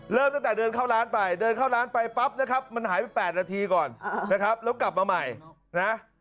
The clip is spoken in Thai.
เริ่มตั้งแต่เดินเข้าร้านไปเดินเข้าร้านไปปั๊บนะครับมันหายไป๘นาทีก่อนนะครับแล้วกลับมาใหม่นะ